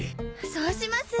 そうします。